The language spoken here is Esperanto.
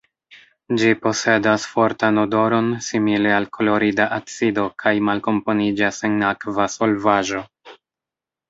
Ĝi posedas fortan odoron simile al klorida acido kaj malkomponiĝas en akva solvaĵo.